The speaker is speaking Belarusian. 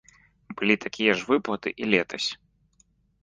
Былі такія ж выплаты і летась.